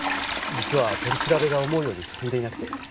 実は取り調べが思うように進んでいなくて。